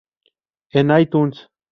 En iTunes